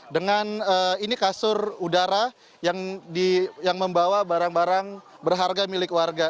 dengan ini kasur udara yang membawa barang barang berharga milik warga